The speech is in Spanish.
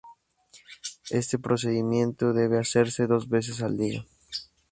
Este procedimiento debe hacerse dos veces al día.